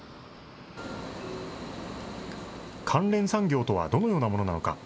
関連産業とはどのようなものなのか。